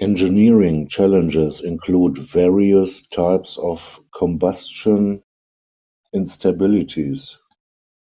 Engineering challenges include various types of combustion instabilities.